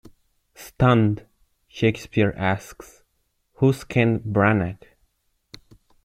Stunned, Shakespeare asks, Who's Ken Branagh?